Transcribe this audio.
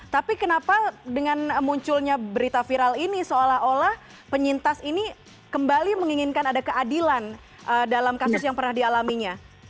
tapi kenapa dengan munculnya berita viral ini seolah olah penyintas ini kembali menginginkan ada keadilan dalam kasus yang pernah dialaminya